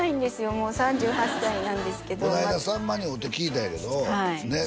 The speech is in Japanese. もう３８歳なんですけどこの間さんまに会うて聞いたんやけどねっ